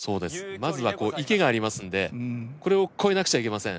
まずはこう池がありますんでこれを越えなくちゃいけません。